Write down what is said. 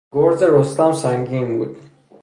گرز رستم سنگین بود.